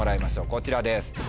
こちらです。